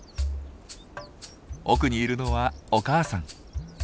奥にいるのはお母さん。